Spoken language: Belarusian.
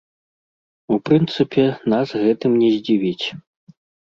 У прынцыпе, нас гэтым не здзівіць.